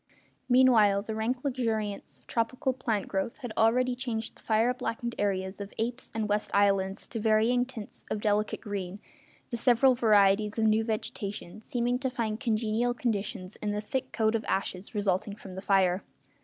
Meanwhile the rank luxuriance of tropical plant growth had already changed the fire blackened areas of Apes' and West Islands to varying tints of delicate green, the several varieties of new vegetation seeming to find congenial conditions in the thick coat of ashes resulting from the fire.